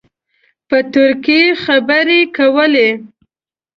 په ترکي خبرې کولې.